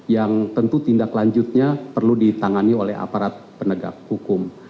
yang tentu tindak lanjutnya perlu ditangani oleh aparat penegak hukum